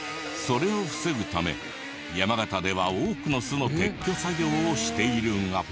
それを防ぐため山形では多くの巣の撤去作業をしているが。